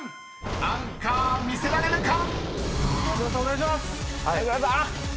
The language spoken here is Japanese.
［アンカー魅せられるか⁉］